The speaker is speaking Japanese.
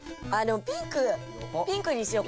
ピンクピンクにしよう。